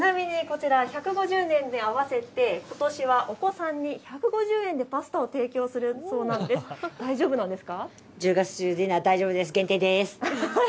ちなみにこちら、１５０年に合わせてことしはお子様に１５０円でパスタを提供するそうなんです。